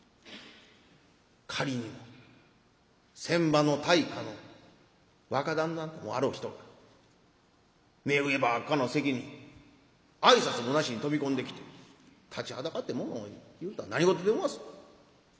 仮にも船場の大家の若旦那ともあろう人が目上ばっかの席に挨拶もなしに飛び込んできて立ちはだかってものを言うとは何事でおます。